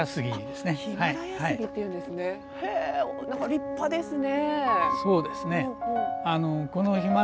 立派ですね。